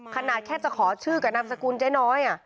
ขนาดแค่จะขอชื่อกับนามสกุลเจ๊น้อย